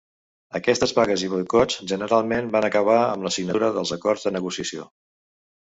Aquestes vagues i boicots generalment van acabar amb la signatura dels acords de negociació.